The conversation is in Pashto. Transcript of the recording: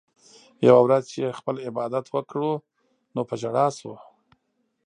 يوه ورځ چې ئې خپل عبادت وکړو نو پۀ ژړا شو